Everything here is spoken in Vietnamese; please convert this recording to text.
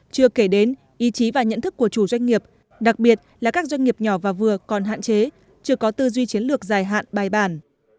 chưa kể đến ý chí và nhận thức của chủ doanh nghiệp đặc biệt là các doanh nghiệp nhỏ và vừa còn hạn chế chưa có tư duy chiến lược dài hạn bài bản